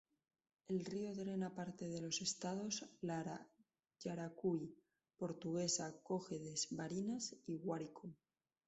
El río drena parte de los estados Lara, Yaracuy, Portuguesa, Cojedes, Barinas y Guárico.